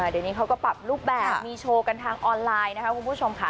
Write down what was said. เดี๋ยวนี้เขาก็ปรับรูปแบบมีโชว์กันทางออนไลน์นะคะคุณผู้ชมค่ะ